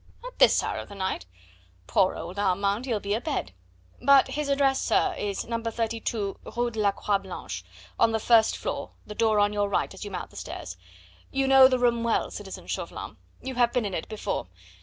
"At this hour of the night? Poor old Armand, he'll be abed. But his address, sir, is No. 32, Rue de la Croix Blanche, on the first floor, the door on your right as you mount the stairs; you know the room well, citizen Chauvelin; you have been in it before.